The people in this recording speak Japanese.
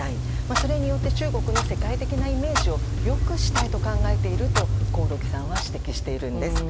それによって中国の世界的なイメージを良くしたいと考えていると興梠さんは指摘しているんです。